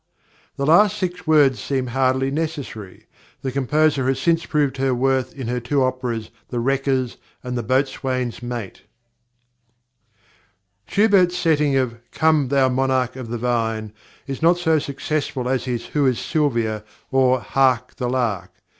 The last six words seem hardly necessary. The composer has since proved her worth in her two operas, The Wreckers and The Boatswain's Mate. +Schubert's+ setting of "Come, thou monarch of the vine" is not so successful as his "Who is Sylvia?" or "Hark, the lark."